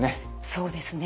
そうですね。